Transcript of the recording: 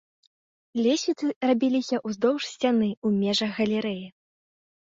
Лесвіцы рабіліся ўздоўж сцяны ў межах галерэі.